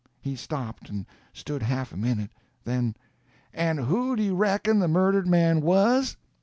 He stopped, and stood half a minute. Then—"And who do you reckon the murdered man _was?